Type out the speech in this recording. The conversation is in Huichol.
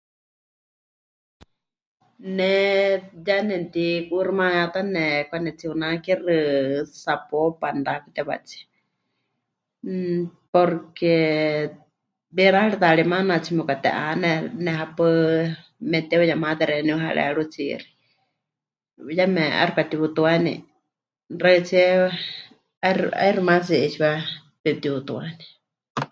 Ne ya nemɨti'uuximayátane pɨkanetsi'unákixɨ Zapopan mɨrakutewátsie, mmm, porque wixáritaari maana tsimepɨkate'ane, nehepaɨ memɨteuyemate xeeníu harerutsiixi, yeme 'aixɨ pɨkatiutuani, xaɨtsíe 'aixɨ, 'aixɨ maatsi 'eetsiwa pepɨtiutuani.